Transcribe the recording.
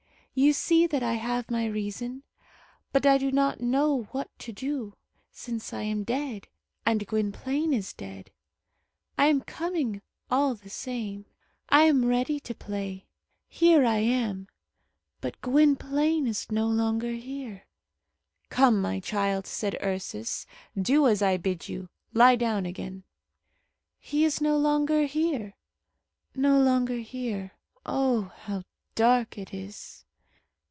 You see that I have my reason; but I do not know what to do, since I am dead, and Gwynplaine is dead. I am coming all the same. I am ready to play. Here I am; but Gwynplaine is no longer here." "Come, my child," said Ursus, "do as I bid you. Lie down again." "He is no longer here, no longer here. Oh! how dark it is!"